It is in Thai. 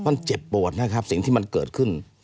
มันเจ็บปวดนะครับสิ่งที่มันเกิดขึ้น